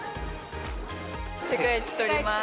世界一とります。